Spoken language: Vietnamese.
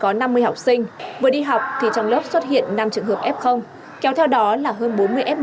lớp học này có năm mươi học sinh vừa đi học thì trong lớp xuất hiện năm trường hợp f kéo theo đó là hơn bốn mươi f một